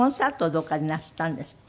どこかでなすったんですって？